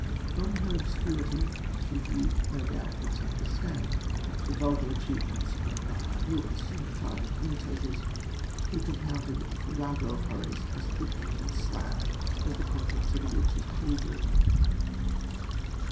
From her obscurity she viewed no doubt with some disdain the vulgar achievements of "Monk" Lewis and a tribe of imitators, who compounded a farrago of horrors as thick and slab as the contents of a witch's cauldron.